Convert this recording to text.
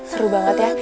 seru banget ya